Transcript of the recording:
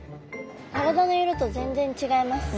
体の色と全然違いますね。